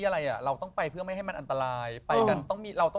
เราต้องไปกันกันต้องเป็ญมั้ย